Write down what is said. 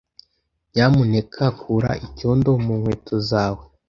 Nyamuneka kura icyondo mu nkweto zawe.